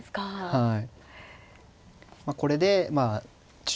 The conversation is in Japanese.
はい。